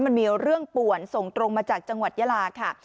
มันมีเรื่องป่วนส่งตรงมาจากจังหวัดยาลาค่ะ